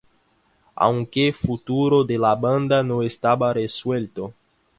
Aunque futuro de la banda no estaba resuelto.